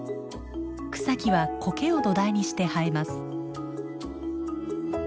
草木はコケを土台にして生えます。